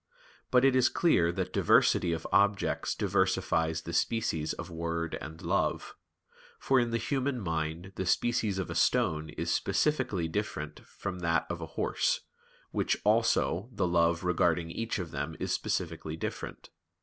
But it is clear that diversity of objects diversifies the species of word and love; for in the human mind the species of a stone is specifically different from that of a horse, which also the love regarding each of them is specifically different.